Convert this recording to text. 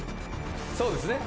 そうですね。